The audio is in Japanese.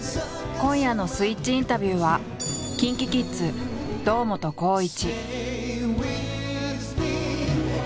今夜の「スイッチインタビュー」はＫｉｎＫｉＫｉｄｓ堂本光一。